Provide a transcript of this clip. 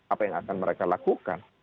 apa yang akan mereka lakukan